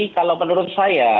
kalau menurut saya